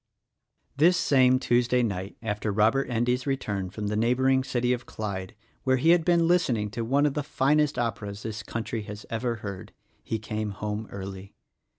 This same Tuesday night, after Robert Endy's return from the neighboring city of Clyde — where he had been listening to one of the finest operas this country has ever heard, — he came home early.